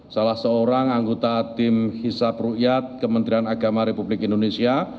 salah seorang anggota tim hisap rukyat kementerian agama republik indonesia